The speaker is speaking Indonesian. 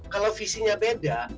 kalau visinya beda